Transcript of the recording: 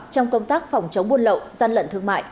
trong công tác phòng chống buôn lậu gian lận thương mại